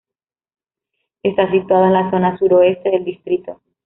Está situado en la zona suroeste del distrito.